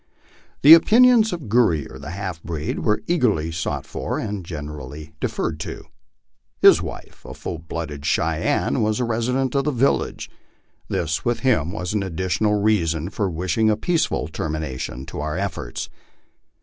The opinions of Gurrier, the half breed, were eagerly sought for and generally deferred to. His wife, a full blooded Cheyenne, was a resi dent of the village. This with him was an additional reason for wishing a peaceful termination to our efforts.